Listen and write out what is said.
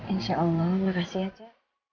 insya allah makasih aja